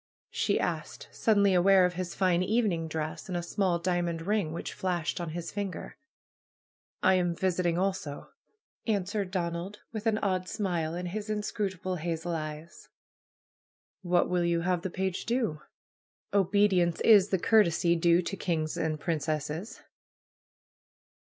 she asked, suddenly aware of his fine evening dress and a small diamond ring which fiashed on his finger. am visiting also," answered Donald, with an odd smile in his inscrutable hazel eyes. '^What will you have the page do? ^Obedience is the courtesy due to kings' and princesses